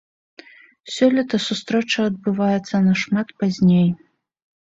Сёлета сустрэча адбываецца нашмат пазней.